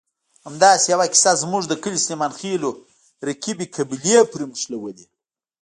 همداسې یوه کیسه زموږ د کلي سلیمانخېلو رقیبې قبیلې پورې نښلولې.